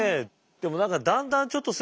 でも何かだんだんちょっとすいません